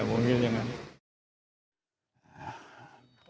ผมคิดอย่างนั้น